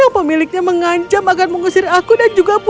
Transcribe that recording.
yang pemiliknya mengancam akan mengusir aku dan juga putriku